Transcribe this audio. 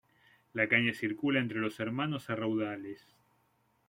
La caña circula entre los hermanos a raudales.